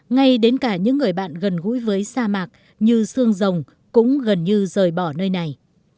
ngay đến cả những người bạn gần gũi với sa mạc như sương rồng cũng gần như rời bỏ nơi này